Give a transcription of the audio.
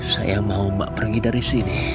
saya mau mbak pergi dari sini